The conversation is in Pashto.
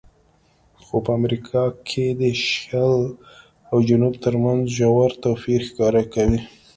خو په امریکا کې د شل او جنوب ترمنځ ژور توپیر ښکاره کوي.